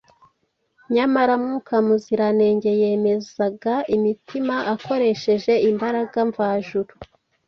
Nyamara Mwuka Muziranenge yemezaga imitima akoresheje imbaraga mvajuru.